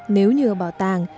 nếu như ở bảo tàng